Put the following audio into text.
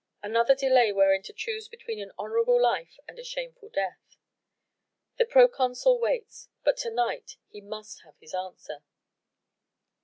Another delay wherein to choose between an honourable life and a shameful death. The proconsul waits. But to night he must have his answer."